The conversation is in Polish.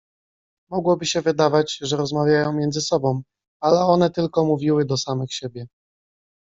Mogłoby się wydawać, że rozmawiają między sobą, ale one tylko mówiły do samych siebie.